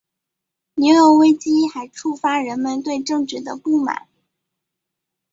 牛油危机还触发人们对政治的不满。